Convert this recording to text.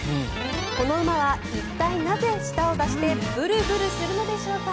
この馬は一体なぜ舌を出してブルブルするのでしょうか。